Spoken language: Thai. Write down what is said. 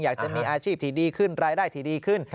อยากจะมีอาชีพที่ดีขึ้นรายได้ที่ดีขึ้น